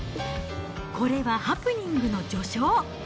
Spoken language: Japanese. これはハプニングの序章。